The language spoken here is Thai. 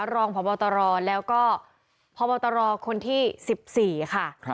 รองพบตรแล้วก็พบตรคนที่๑๔ค่ะ